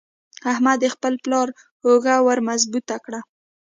احمد د خپل پلار اوږه ور مضبوطه کړه.